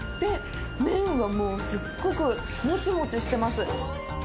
麺はすごくもちもちしてます。